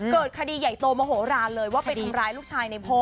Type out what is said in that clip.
เกิดคดีใหญ่โตมโหลานเลยว่าไปทำร้ายลูกชายในพ่อ